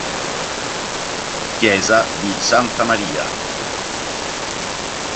Chiesa di Santa Maria